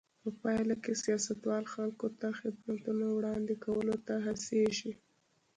په پایله کې سیاستوال خلکو ته د خدمتونو وړاندې کولو ته هڅېږي.